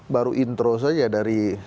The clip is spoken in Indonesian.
baru intro saja dari